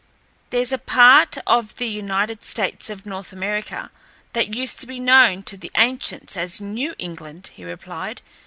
"There's a part of the United States of North America that used to be known to the ancients as New England," he replied.